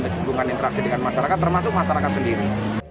untuk menghubungkan interaksi dengan masyarakat termasuk masyarakat sendiri